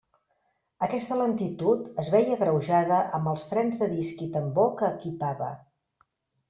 Aquesta lentitud es veia agreujada amb els frens de disc i tambor que equipava.